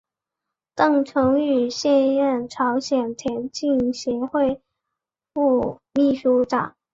郑成玉现任朝鲜田径协会副秘书长。